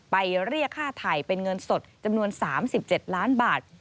เรียกค่าไถ่เป็นเงินสดจำนวน๓๗ล้านบาท